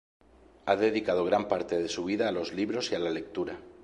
Ha dedicado gran parte de su vida a los libros y a la lectura.